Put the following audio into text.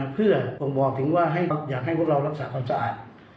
เพื่อบ่งบอกถึงว่าอยากให้พวกเรารักษาความสะอาด